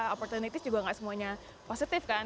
opportunity juga gak semuanya positif kan